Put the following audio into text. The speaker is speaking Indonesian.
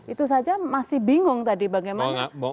itu saja masih bingung tadi bagaimana